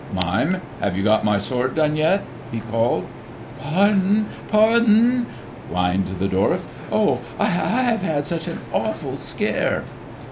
"Mime, have you got my sword done yet?" he called. "Pardon! pardon!" whined the dwarf. "Oh, I have had such an awful scare!"